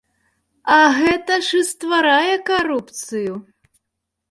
А гэта ж і стварае карупцыю!